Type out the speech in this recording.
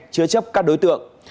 chứa chấp các đối tượng